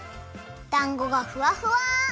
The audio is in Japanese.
だんごがふわふわ。